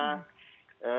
kalau pon ini berakhir